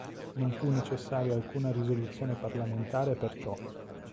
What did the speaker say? Non fu necessaria alcuna risoluzione parlamentare per ciò.